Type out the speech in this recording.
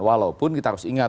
walaupun kita harus ingat